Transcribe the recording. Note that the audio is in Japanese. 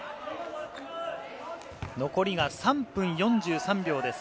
残りが３分４３秒です。